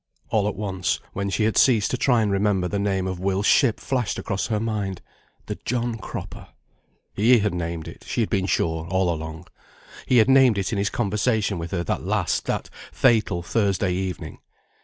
All at once, when she had ceased to try and remember, the name of Will's ship flashed across her mind. The John Cropper. He had named it, she had been sure, all along. He had named it in his conversation with her that last, that fatal Thursday evening.